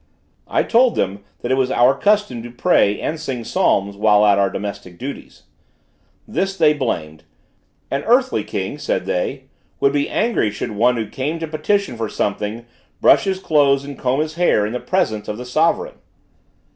I told them that it was our custom to pray and sing psalms, while at our domestic duties. This they blamed. "An earthly king," said they, "would be angry should one who came to petition for something, brush his clothes and comb his hair in the presence of his sovereign."